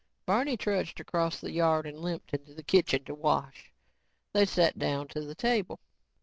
Barney trudged across the yard and limped into the kitchen to wash. They sat down to the table.